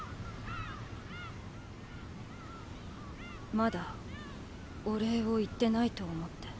まだお礼を言ってないと思って。